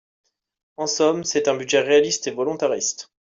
En somme, c’est un budget réaliste et volontariste